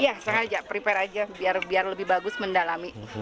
iya sengaja prepare aja biar lebih bagus mendalami